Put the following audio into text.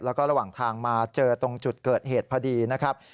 แล้วก็ระหว่างทางมาเจอตรงจุดเกิดเหตุพอดีนะครับ